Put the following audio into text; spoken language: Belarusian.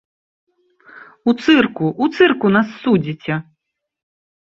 У цырку, у цырку нас судзіце!